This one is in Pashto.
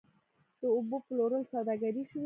د اوبو پلورل سوداګري شوې؟